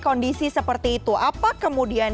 kondisi seperti itu apa kemudian